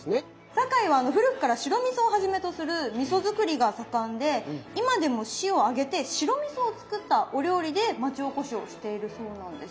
堺は古くから白みそをはじめとするみそ造りが盛んで今でも市を挙げて白みそを使ったお料理で町おこしをしているそうなんです。